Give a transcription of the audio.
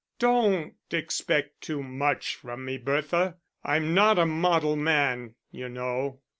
"Don't expect too much from me, Bertha. I'm not a model man, you know."